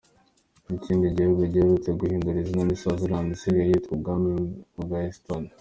Ikindi gihugu giherutse guhindura izina ni Swaziland isigaye yitwa Ubwami bwa eSwatini.